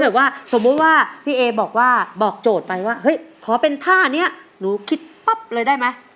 แบบว่าสมมุติว่าพี่เอบอกว่าบอกโจทย์ไปว่าเฮ้ยขอเป็นท่านี้หนูคิดปั๊บเลยได้ไหม